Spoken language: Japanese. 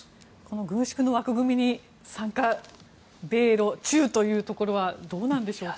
軍縮の枠組みに参加米ロ中というところどうなんでしょうか。